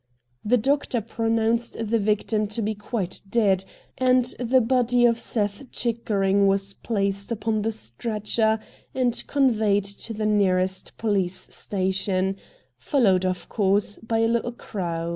The doctor pronounced the victim to be quite dead, and the body of Seth Chickering was placed upon the stretcher and conveyed to the nearest police station, followed, of course, by a little crowd.